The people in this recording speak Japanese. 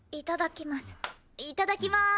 いただきます。